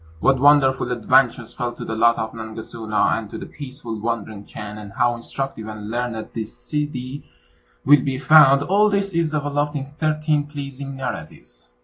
What wonderful adventures fell to the lot of Nangasuna, and to the peaceful wandering Chan, and how instructive and learned the Ssidi will be found, all this is developed in thirteen pleasing narratives.